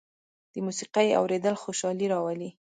د موسيقۍ اورېدل خوشالي راولي.